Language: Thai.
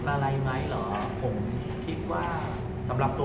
หรือเป็นอะไรที่คุณต้องการให้ดู